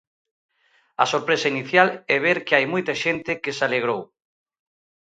A sorpresa inicial é ver que hai moita xente que se alegrou.